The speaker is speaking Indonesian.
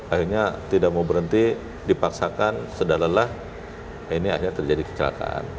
akhirnya tidak mau berhenti dipaksakan sudah lelah ini akhirnya terjadi kecelakaan